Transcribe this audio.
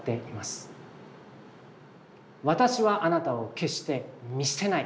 「私はあなたを決して見捨てない」。